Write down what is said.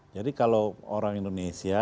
jadi kalau orang indonesia